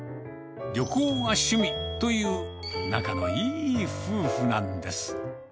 旅行が趣味という、仲のいい夫婦なんです。